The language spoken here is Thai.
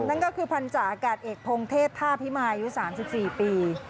นั่นก็คือพันธาอากาศเอกพงเทพท่าพิมายุ๓๔ปี